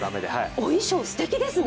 お衣装、すてきですね。